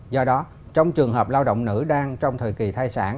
do đó trong trường hợp lao động nữ đang trong thời kỳ thai sản